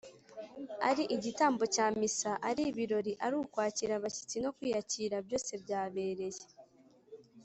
ari igitambo cya missa, ari ibirori, ari ukwakira abashyitsi no kwiyakira, byose byabereye